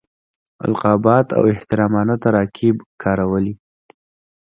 القابات او احترامانه تراکیب کارولي.